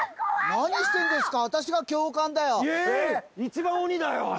何してんですか？